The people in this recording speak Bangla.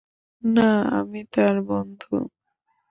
না, আমি তার বন্ধু।